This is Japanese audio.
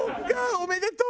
おめでとう！